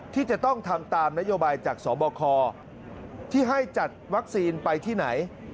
ที่จะต้องทำตามนโยบายจากสบคที่ให้จัดวัคซีนไปที่ไหน